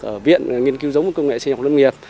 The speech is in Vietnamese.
ở viện nghiên cứu giống và công nghệ sinh học lâm nghiệp